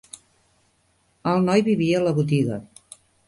El noi vivia a la botiga